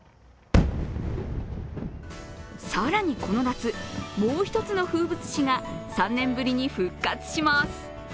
更に、この夏、もう一つの風物詩が３年ぶりに復活します。